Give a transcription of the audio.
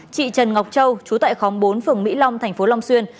chị trần ngọc châu chú tại khóng bốn phường mỹ long tp long xuyên